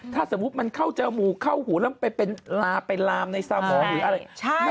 ถ้าสมมุติมันเข้าจมูกเข้าหูแล้วไปลาไปลามในสมองหรืออะไร